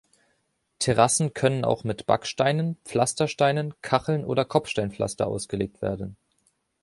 Terrassen können auch mit Backsteinen, Pflastersteinen, Kacheln oder Kopfsteinpflaster ausgelegt werden.